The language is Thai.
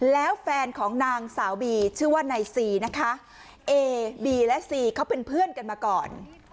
แล้วแฟนของนางสาวบีชื่อว่านายซีนะคะเอบีและซีเขาเป็นเพื่อนกันมาก่อน